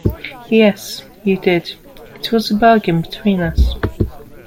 Yes, you did; it was a bargain between us.